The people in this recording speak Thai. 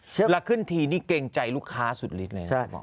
เวลาขึ้นทีนี่เกรงใจลูกค้าสุดลิดเลยนะ